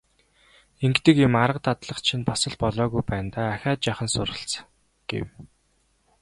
Ингэдэг юм, арга дадлага чинь бас л болоогүй байна даа, ахиад жаахан суралц гэв.